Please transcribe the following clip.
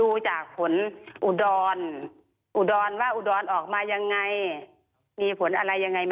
อุดรอุดรว่าอุดรออกมายังไงมีผลอะไรยังไง